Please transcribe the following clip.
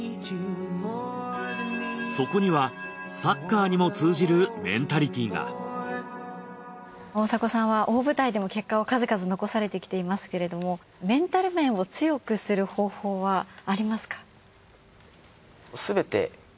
そこにはサッカーにも通じるメンタリティが大迫さんは大舞台でも結果を数々残されてきていますけれどもメンタル面を強くする方法はありますか？